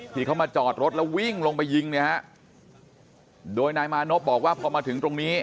ที่เขามาจอดรถแล้ววิ่งลงไปยิงเนี่ยฮะโดยนายมานพบอกว่าพอมาถึงตรงนี้